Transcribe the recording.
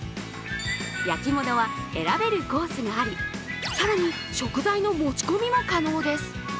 焼き物は選べるコースがあり更に食材の持ち込みも可能です。